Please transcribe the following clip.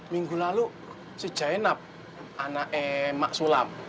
minggu lalu si jainab anaknya mak sulam